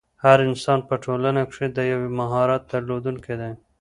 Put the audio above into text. هر انسان په ټولنه کښي د یو مهارت درلودونکی دئ.